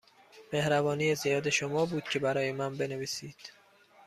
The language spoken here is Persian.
مهربانی زیاد شما بود که برای من بنویسید.